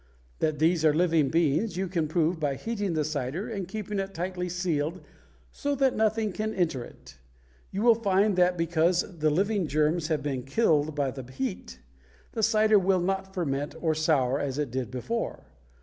That these are living beings you can prove by heating the cider and keeping it tightly sealed so that nothing can enter it. You will find that because the living germs have been killed by the heat, the cider will not ferment or sour as it did before.